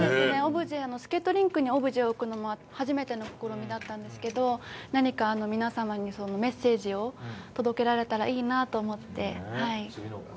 スケートリンクにオブジェを置くのも初めての試みだったんですけど、何か皆様にメッセージを届けられたらいいなと思って。